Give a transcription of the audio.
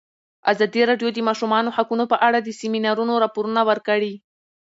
ازادي راډیو د د ماشومانو حقونه په اړه د سیمینارونو راپورونه ورکړي.